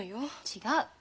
違う。